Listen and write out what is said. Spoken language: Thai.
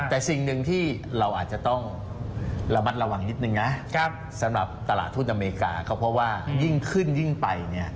แต่สิ่งหนึ่งที่เราอาจจะต้องระมัดระวังนิดนึงนะสำหรับตลาดทุนอเมริกาก็เพราะว่ายิ่งขึ้นยิ่งไปเนี่ย